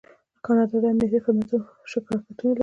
کاناډا د امنیتي خدماتو شرکتونه لري.